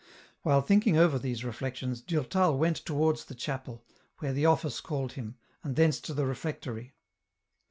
While thinking over these reflections, Durtal went towards the chapel, where the Office called him, and thence to the refectory.